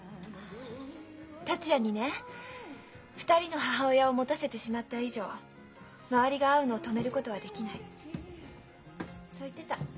達也にね２人の母親を持たせてしまった以上周りが会うのを止めることはできないそう言ってた。